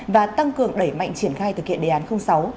và tăng cường đẩy mạnh triển khai thực hiện đề án sáu